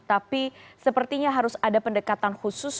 tapi sepertinya harus ada pendekatan khusus